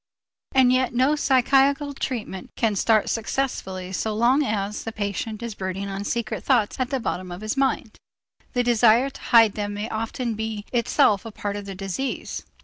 And yet no psychical treatment can start successfully so long as the patient is brooding on secret thoughts at the bottom of his mind. The desire to hide them may often be itself a part of the disease.